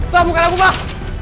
pak bukan aku pak